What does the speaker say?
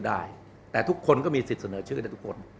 มีสิทธิ์เสนอชื่อได้แต่ทุกคนก็มีสิทธิ์เสนอชื่อได้ทุกคน